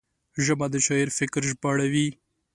ژبه د شاعر فکر ژباړوي